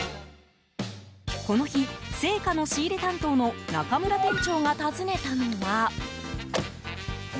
この日、青果の仕入れ担当の中村店長が訪ねたのは。